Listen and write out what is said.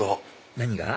何が？